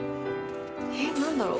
えっ何だろう。